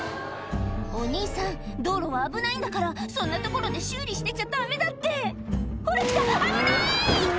お兄さん道路は危ないんだからそんなところで修理してちゃダメだってほら来た危ない！